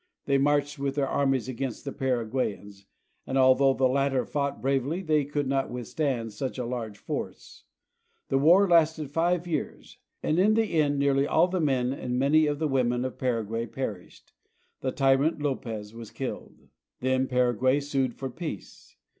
They marched with their armies against the Paraguayans, and although the latter fought bravely they could not withstand such a large force. The war lasted five years, and in the end nearly all the men and many of the women of Paraguay perished. The tyrant Lopez was killed. Then Paraguay sued for peace.